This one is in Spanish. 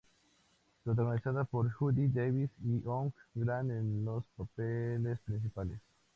Protagonizada por Judy Davis y Hugh Grant en los papeles principales.